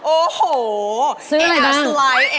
โอ้โหแอร์สไลท์แอร์สไลท์เลย